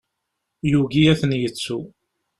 Yugi ad ten-yettu.